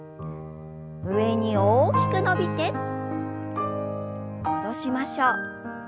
上に大きく伸びて戻しましょう。